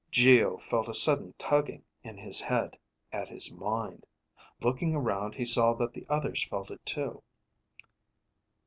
Geo felt a sudden tugging in his head, at his mind. Looking around he saw that the others felt it too.